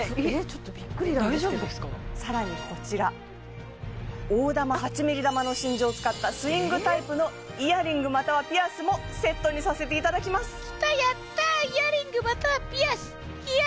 ちょっとびっくりなんですけどさらにこちら大珠８ｍｍ珠の真珠を使ったスイングタイプのイヤリングまたはピアスもセットにさせていただきますん！